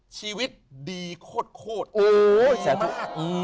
ชีวิตดีโคตรโอ๊ยแสดงมาก